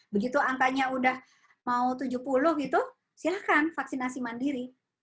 begitu angkanya udah mau tujuh puluh gitu silahkan vaksinasi mandiri